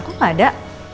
kok gak ada